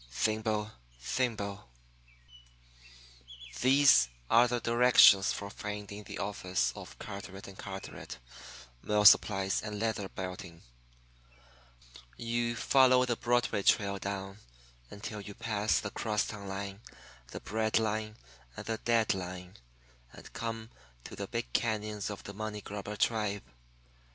THIMBLE, THIMBLE These are the directions for finding the office of Carteret & Carteret, Mill Supplies and Leather Belting: You follow the Broadway trail down until you pass the Crosstown Line, the Bread Line, and the Dead Line, and come to the Big Cañons of the Moneygrubber Tribe.